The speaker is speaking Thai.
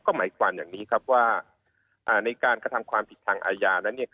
ก็หมายความอย่างนี้ครับว่าในการกระทำความผิดทางอาญานั้น